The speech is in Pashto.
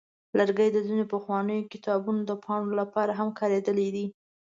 لرګي د ځینو پخوانیو کتابونو د پاڼو لپاره هم کارېدلي دي.